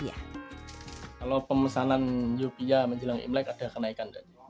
saya tidak tahu apakah ini sepatutnya